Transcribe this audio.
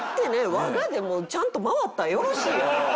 我がでちゃんと回ったらよろしいやん。